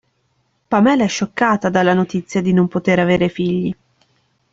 Pamela è scioccata dalla notizia di non poter avere figli.